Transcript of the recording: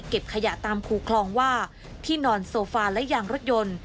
ขยะตามคูคลองว่าที่นอนโซฟาและยางรถยนต์